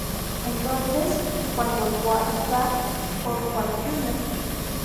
Es entonces cuando Walt va con Walt Jr.